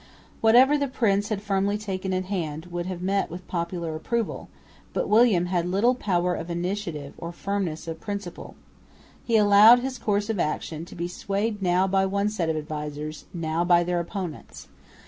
Whatever the prince had firmly taken in hand would have met with popular approval, but William had little power of initiative or firmness of principle. He allowed his course of action to be swayed now by one set of advisers, now by their opponents.